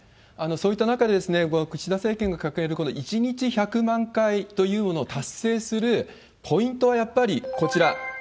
そういった中で、この岸田政権が掲げる、この１日１００万回というのを達成するポイントはやっぱりこちら。